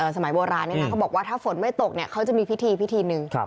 สมัยโบราณเขาบอกว่าถ้าฝนไม่ตกเขาจะมีพิธีพิธีหนึ่ง